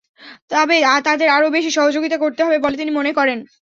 তবে তাদের আরও বেশি সহযোগিতা করতে হবে বলে তিনি মনে করেন।